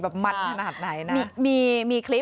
แบบมัดขนาดไหนนะนะ